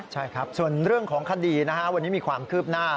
ใช่ครับส่วนเรื่องของคดีนะฮะวันนี้มีความคืบหน้า